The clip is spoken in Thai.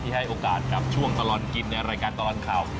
ให้โอกาสกับช่วงตลอดกินในรายการตลอดข่าว